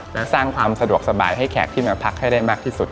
และสร้างความสะดวกสบายให้แขกที่มาพักให้ได้มากที่สุด